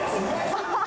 アハハハ。